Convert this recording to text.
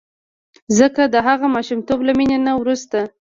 ځکه د هغه ماشومتوب له مینې نه وروسته.